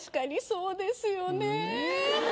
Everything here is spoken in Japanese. そうですよ。